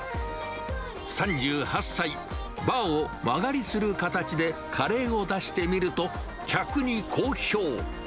３８歳、バーを間借りする形でカレーを出してみると、客に好評。